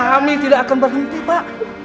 kami tidak akan berhenti pak